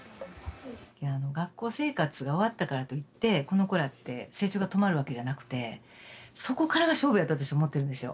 学校生活が終わったからといってこの子らって成長が止まるわけじゃなくてそこからが勝負やと私思ってるんですよ。